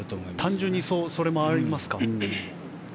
単純にそれもありますか。